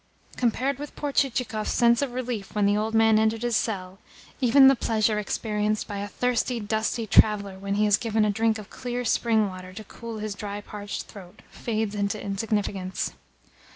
Compared with poor Chichikov's sense of relief when the old man entered his cell, even the pleasure experienced by a thirsty, dusty traveller when he is given a drink of clear spring water to cool his dry, parched throat fades into insignificance.